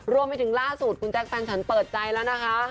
รวมไปถึงล่าสุดคุณแจ๊คแฟนฉันเปิดใจแล้วนะคะ